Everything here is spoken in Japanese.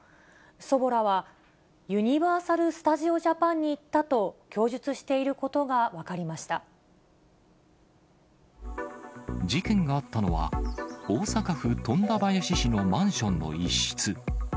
祖母らは、ユニバーサル・スタジオ・ジャパンに行ったと供述して事件があったのは、大阪府富田林市のマンションの一室。